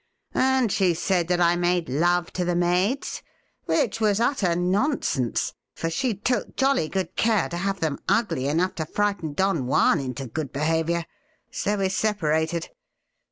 And she said that I made love to the maids — which was utter nonsense, for she took jolly good care to have them ugly enough to frighten Don Juan into good behaviour. So we separated.